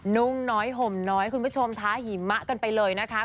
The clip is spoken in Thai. นุ่งน้อยห่มน้อยคุณผู้ชมท้าหิมะกันไปเลยนะคะ